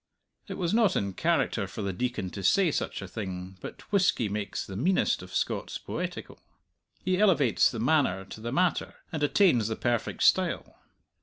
It was not in character for the Deacon to say such a thing, but whisky makes the meanest of Scots poetical. He elevates the manner to the matter, and attains the perfect style.